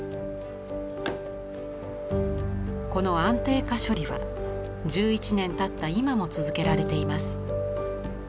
この安定化処理は１１年たった今も続けられています。